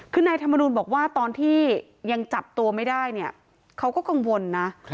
คือนายธรรมนูลบอกว่าตอนที่ยังจับตัวไม่ได้เนี่ยเขาก็กังวลนะ